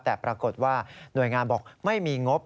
แต่ปรากฏว่าหน่วยงานบอกไม่มีงบ